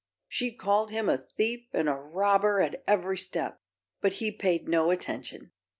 She called him a thief and a robber at ev'ry step, but he paid no attention.